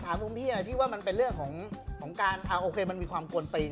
ถามมึงพี่พี่ว่ามันเป็นเรื่องความโกนตีน